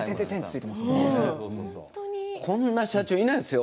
こんな社長いないですよ。